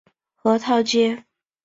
核桃街。